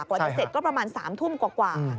วันที่เสร็จก็ประมาณ๓ทุ่มกว่ากว่า